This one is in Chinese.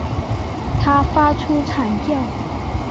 他发出惨叫